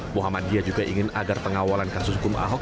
muhammadiyah juga ingin agar pengawalan kasus hukum ahok